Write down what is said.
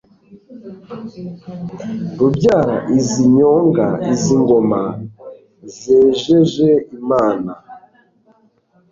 Rubyara izi nyonga Izi ngoma “zejeje imana”,